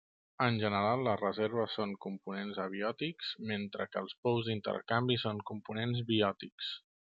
En general, les reserves són components abiòtics, mentre que els pous d'intercanvi són components biòtics.